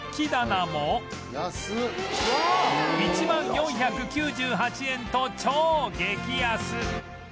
１万４９８円と超激安